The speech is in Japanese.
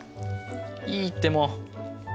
いいってもう。